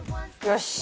よし！